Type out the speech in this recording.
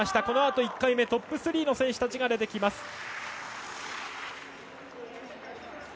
このあと、１回目トップ３の選手たちが出てきます。